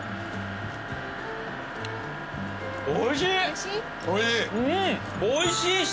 おいしい？